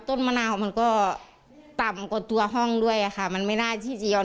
มะนาวมันก็ต่ำกว่าตัวห้องด้วยค่ะมันไม่น่าที่จะย้อน